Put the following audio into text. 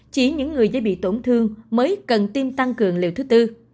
chỉ những người dễ bị tổn thương mới cần tiêm tăng cường liều thứ tư